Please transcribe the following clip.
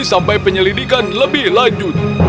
sampai penyelidikan lebih lanjut